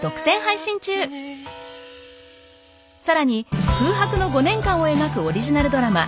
［さらに空白の５年間を描くオリジナルドラマ